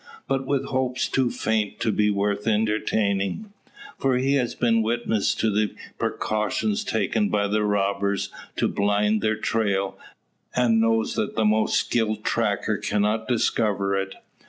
But with hopes too faint to be worth entertaining. For he has been witness to the precautions taken by the robbers to blind their trail, and knows that the most skilled tracker cannot discover it.